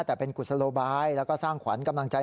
แต่เป็นกุศโลบายแล้วก็สร้างขวัญกำลังใจ